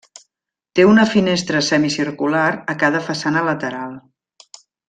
Té una finestra semicircular a cada façana lateral.